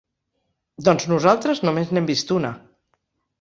Doncs nosaltres només n'hem vist una.